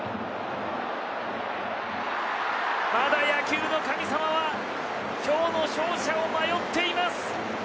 まだ野球の神様は今日の勝者を迷っています。